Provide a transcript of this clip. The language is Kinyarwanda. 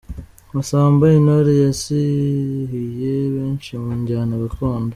Massamba Intore yizihiye benshi mu njyana gakondo.